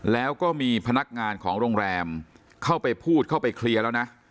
แล้วก็มีพนักงานของโรงแรมเข้าไปพูดเข้าไปเคลียร์แล้วนะ